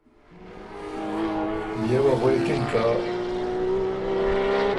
بيې وه غوېکِن که:ـ